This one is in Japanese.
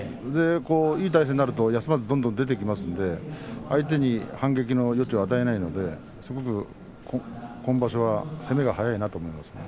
いい体勢になると休まずどんどん出ていきますので相手に反撃の余地を与えないので今場所はすごく攻めが速いなと思います。